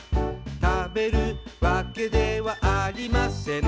「食べるわけではありません」